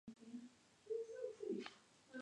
El armisticio fue mal visto por todos.